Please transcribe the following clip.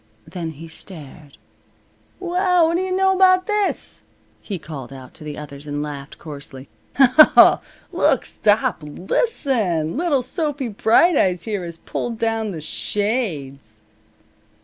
Then he stared. "Well, what do you know about this!" he called out to the others, and laughed coarsely, "Look, stop, listen! Little Sophy Bright Eyes here has pulled down the shades."